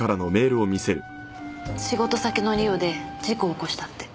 仕事先のリオで事故を起こしたって。